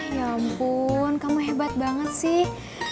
ya ampun kamu hebat banget sih